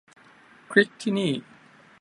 คลิกที่นี่